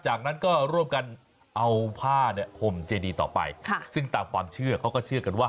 จากนั้นก็ร่วมกันเอาผ้าเนี่ยห่มเจดีต่อไปซึ่งตามความเชื่อเขาก็เชื่อกันว่า